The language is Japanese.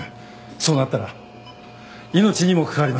そうなったら命にも関わります。